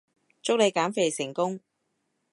祝你減肥成功